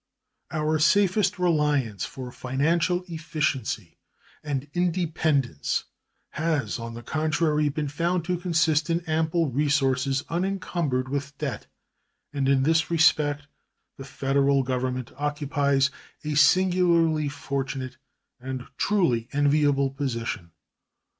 Our safest reliance for financial efficiency and independence has, on the contrary, been found to consist in ample resources unencumbered with debt, and in this respect the Federal Government occupies a singularly fortunate and truly enviable position.